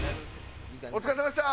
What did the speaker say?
お疲れさまでした！